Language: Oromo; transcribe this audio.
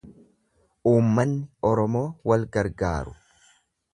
Uummanni Oromoo wal gargaaru.